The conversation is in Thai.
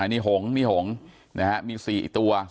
อันนี้หงค์มีหงค์นะฮะมี๔ตัว